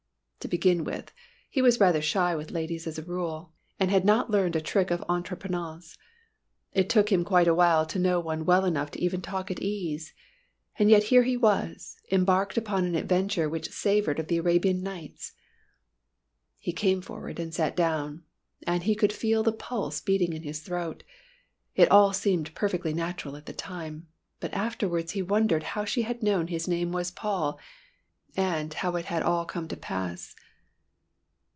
To begin with, he was rather shy with ladies as a rule, and had not learnt a trick of entreprenance. It took him quite a while to know one well enough to even talk at ease. And yet here he was, embarked upon an adventure which savoured of the Arabian Nights. He came forward and sat down, and he could feel the pulse beating in his throat. It all seemed perfectly natural at the time, but afterwards he wondered how she had known his name was Paul and how it had all come to pass.